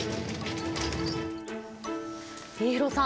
家広さん